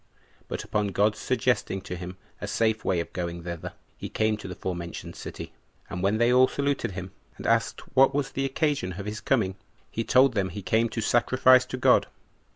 But upon God's suggesting to him a safe way of going thither, he came to the forementioned city; and when they all saluted him, and asked what was the occasion of his coming, he told them he came to sacrifice to God.